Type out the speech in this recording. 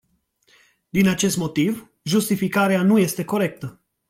Din acest motiv, justificarea nu este corectă.